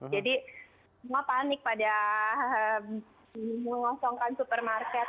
jadi semua panik pada mengosongkan supermarket